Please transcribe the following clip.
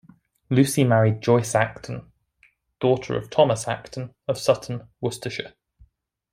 Lucy married Joyce Acton, daughter of Thomas Acton of Sutton, Worcestershire.